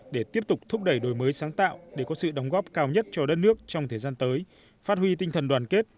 để tiếp tục thúc đẩy đổi mới sáng tạo để có sự đóng góp cao nhất cho đất nước trong thời gian tới